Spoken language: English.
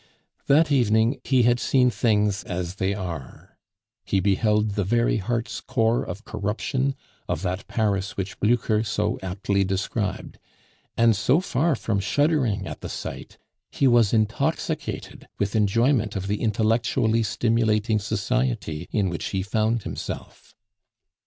That evening he had seen things as they are. He beheld the very heart's core of corruption of that Paris which Blucher so aptly described; and so far from shuddering at the sight, he was intoxicated with enjoyment of the intellectually stimulating society in which he found himself.